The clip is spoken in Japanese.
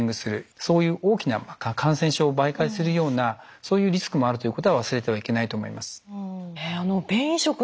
そういう大きな感染症を媒介するようなそういうリスクもあるということは忘れてはいけないと思います。